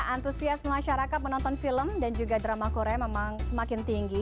antusiasme masyarakat menonton film dan juga drama korea memang semakin tinggi